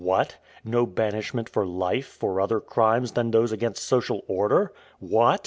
What! no banishment for life for other crimes than those against social order! What!